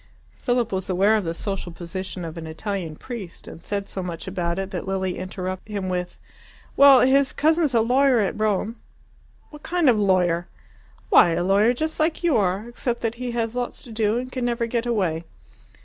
Philip was aware of the social position of an Italian priest, and said so much about it that Lilia interrupted him with, "Well, his cousin's a lawyer at Rome." "What kind of 'lawyer'?" "Why, a lawyer just like you are except that he has lots to do and can never get away."